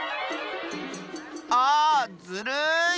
ああずるい！